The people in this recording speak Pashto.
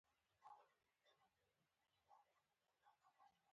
صفر جیني بشپړ مساوات دی.